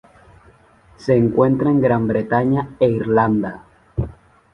Se encuentra en Gran Bretaña e Irlanda.